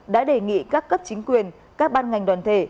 đã đề nghị các cấp chính quyền các ban ngành đoàn thể